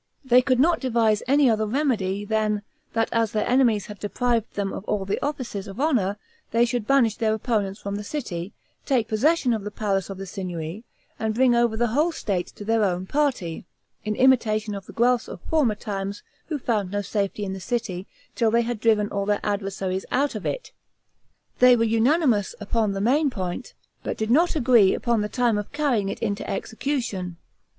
They could not devise any other remedy than, that as their enemies had deprived them of all the offices of honor, they should banish their opponents from the city, take possession of the palace of the Signory, and bring over the whole state to their own party; in imitation of the Guelphs of former times, who found no safety in the city, till they had driven all their adversaries out of it. They were unanimous upon the main point, but did not agree upon the time of carrying it into execution.